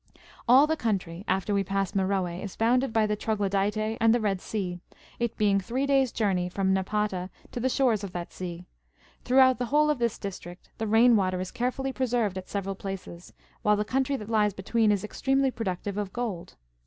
All the country, after we pass Meroe, is bounded, by the Troglodytae and the Eed Sea, it being three days' journey from Napata to the shores of that sea ; throughout the whole of this district the rain water is carefully preserved at several places, while the country that lies between is extremely pro ductive of gold.